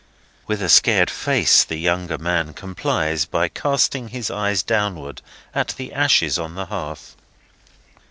With a scared face the younger man complies by casting his eyes downward at the ashes on the hearth.